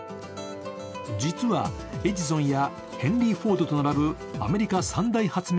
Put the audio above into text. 実はエジソンやヘンリー・フォードと並ぶアメリカ３大発明